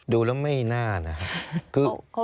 ดูแล้วไม่น่านะครับ